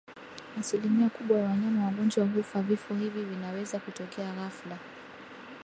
Asilimia kubwa ya wanyama wagonjwa hufa Vifo hivi vinaweza kutokea ghafla